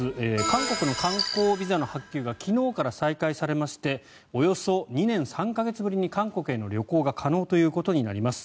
韓国の観光ビザの発給が昨日から再開されましておよそ２年３か月ぶりに韓国への旅行が可能になります。